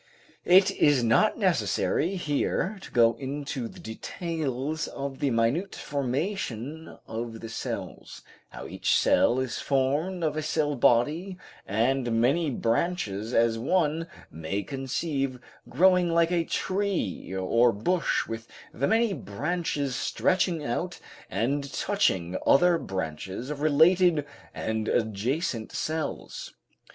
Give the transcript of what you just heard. It is not necessary here to go into the details of the minute formation of the cells, how each cell is formed of a cell body and many branches, as one may conceive, growing like a tree or bush with the many branches stretching out and touching other branches of related and adjacent cells.